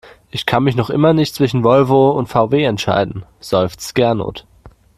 Ich kann mich noch immer nicht zwischen Volvo und VW entscheiden, seufzt Gernot.